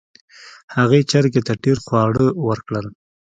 هغې چرګې ته ډیر خواړه ورکړل.